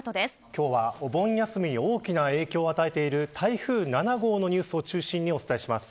今日はお盆休みに大きな影響を与えている台風７号のニュースを中心にお伝えします。